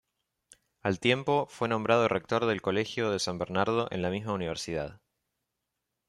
Al tiempo, fue nombrado rector del Colegio de San Bernardo en la misma universidad.